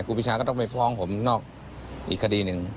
ปีชาก็ต้องไปฟ้องผมนอกอีกคดีหนึ่ง